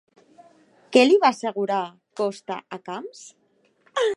Què li va assegurar Costa a Camps?